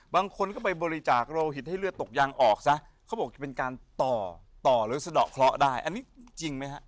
บางคนก็ไปบริจาคโลหิตให้เลือดตกยางออกซะเขาบอกจะเป็นการต่อต่อหรือสะดอกเคราะห์ได้อันนี้จริงไหมฮะ